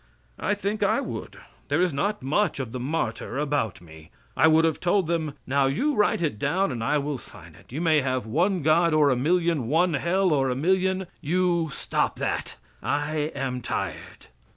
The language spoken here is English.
I think, I would. There is not much of the martyr about me. I would have told them: "Now you write it down, and I will sign it. You may have one God or a million, one Hell or a million. You stop that I am tired."